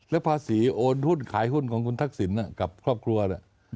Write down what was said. แล้วภาษีโอนหุ้นขายหุ้นของคุณทักษิณกับครอบครัวเนี่ย